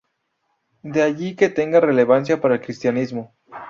De allí que tenga relevancia para el cristianismo.